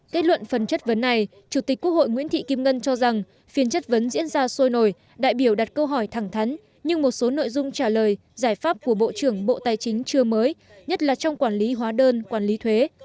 kết luận phần chất vấn này chủ tịch quốc hội nguyễn thị kim ngân cho rằng phiên chất vấn diễn ra sôi nổi đại biểu đặt câu hỏi thẳng thắn nhưng một số nội dung trả lời giải pháp của bộ trưởng bộ tài chính chưa mới nhất là trong quản lý hóa đơn quản lý thuế